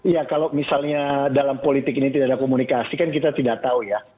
ya kalau misalnya dalam politik ini tidak ada komunikasi kan kita tidak tahu ya